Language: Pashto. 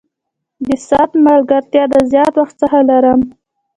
د ساعت ملګرتیا د زیات وخت څخه لرم.